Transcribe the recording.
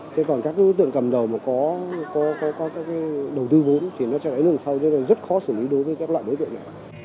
thế còn các đối tượng cầm đầu mà có các cái đầu tư vốn thì nó sẽ lấy đường sau rất là rất khó xử lý đối với các loại đối tượng này